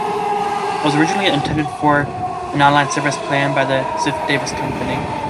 It was originally intended for an online service planned by the Ziff-Davis company.